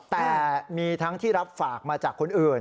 แต่มีทั้งที่รับฝากมาจากคนอื่น